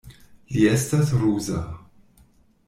Li estas ruza.